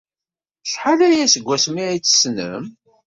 Acḥal aya seg wasmi ay tt-tessnem?